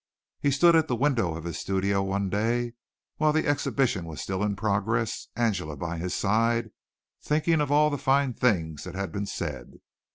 He stood at the window of his studio one day while the exhibition was still in progress, Angela by his side, thinking of all the fine things that had been said.